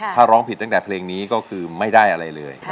ถ้าร้องผิดตั้งแต่เพลงนี้ก็คือไม่ได้อะไรเลย